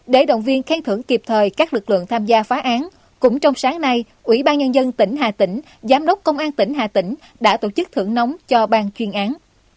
để động viên khen thưởng kịp thời các lực lượng tham gia phá án cũng trong sáng nay ủy ban nhân dân tỉnh hà tĩnh giám đốc công an tỉnh hà tĩnh đã tổ chức thưởng nóng cho bang chuyên án